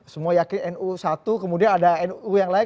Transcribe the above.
semua yakin nu satu kemudian ada nu yang lain